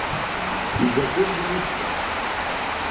Изакәызеи ибҳәо?